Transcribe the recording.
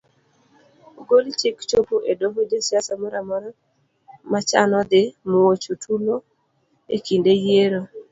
Ogol chik chopo e doho jasiasa moramora machano dhi muocho tulo e kinde yiero